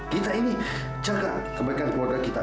kita ini jaga kebaikan keluarga kita